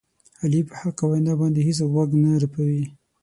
علي په حقه وینا باندې هېڅ غوږ نه رپوي.